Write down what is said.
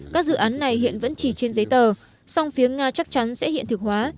các dự án này hiện vẫn chỉ trên giấy tờ song phía nga chắc chắn sẽ hiện thực hóa